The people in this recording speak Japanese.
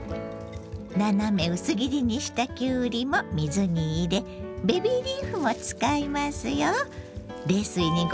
斜め薄切りにしたきゅうりも水に入れベビーリーフも使いますよ。